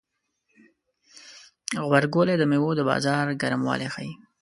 غبرګولی د میوو د بازار ګرموالی ښيي.